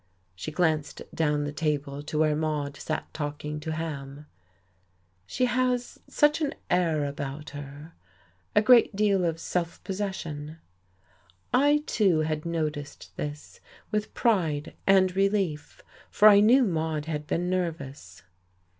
She glanced down the table to where Maude sat talking to Ham. "She has an air about her, a great deal of self possession." I, too, had noticed this, with pride and relief. For I knew Maude had been nervous.